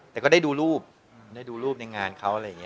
แต่ก็ได้ดูรูปได้ดูรูปในงานเขาอะไรอย่างนี้